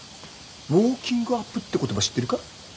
「ウォーキングアップ」って言葉知ってるか？